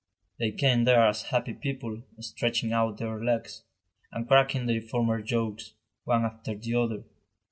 They came there as happy people, stretching out their legs, and cracking their former jokes, one after the other.